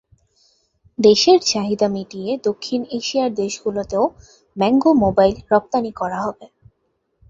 দেশের চাহিদা মিটিয়ে দক্ষিণ এশিয়ার দেশগুলোতেও ম্যাঙ্গো মোবাইল রপ্তানি করা হবে।